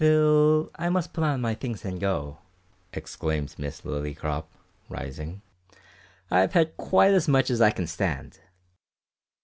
"Phil, I must put on my things and go," exclaimed Miss Lillycrop, rising. "I've had quite as much as I can stand."